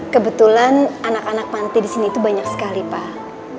kebetulan anak anak panti di sini itu banyak sekali pak